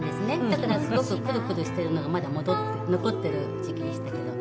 だからすごくくるくるしているのがまだ残ってる時期でしたけど。